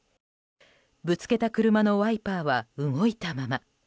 ぶつけた車のワイパーは動いたまま。